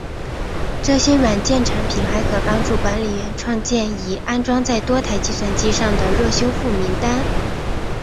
这些软件产品还可帮助管理员创建已安装在多台计算机上的热修复名单。